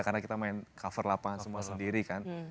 karena kita main cover lapangan semua sendiri kan